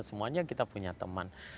semuanya kita punya teman